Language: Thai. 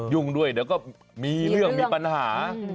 ยุ่งด้วยเดี๋ยวก็มีเรื่องมีปัญหา